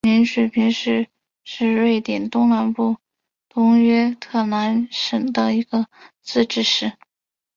林雪平市是瑞典东南部东约特兰省的一个自治市。